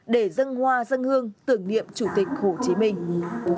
để dâng hoa dâng hương tưởng niệm chủ tịch hồ chí minh